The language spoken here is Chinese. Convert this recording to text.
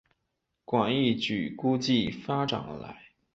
广义矩估计发展而来。